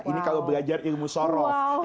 ini kalau belajar ilmu shorof